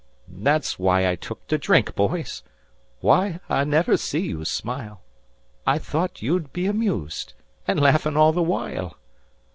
"That's why I took to drink, boys. Why, I never see you smile, I thought you'd be amused, and laughing all the while.